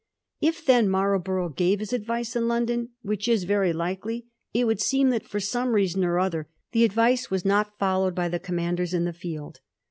J£ then Marlborough gave his advice in London, which is very likely, it would seem that, for some reason or other, the advice was not followed by the commanders in the field.